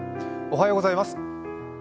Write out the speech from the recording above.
おはようございます。